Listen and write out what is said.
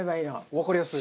わかりやすい。